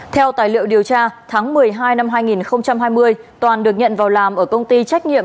theo tài liệu điều tra tháng một mươi hai năm hai nghìn hai mươi toàn được nhận vào làm ở công ty trách nhiệm